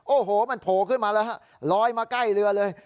โอ้โหมันโผล่ขึ้นมาแล้วฮะลอยมาใกล้เรือเลย